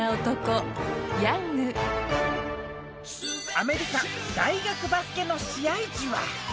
アメリカ大学バスケの試合じわ。